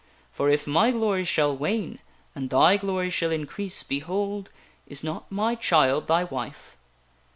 For if my glory shall wane, and thy glory shall increase, behold ! is not my child thy wife?